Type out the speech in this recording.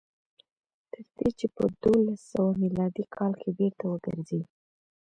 تر دې چې په دولس سوه میلادي کال کې بېرته وګرځي.